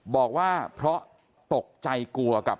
บอกว่าเพราะตกใจกลัวกับ